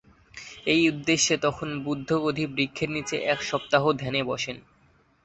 এই উদ্দেশে তখন বুদ্ধ বোধি বৃক্ষের নিচে এক সপ্তাহ ধ্যানে বসেন।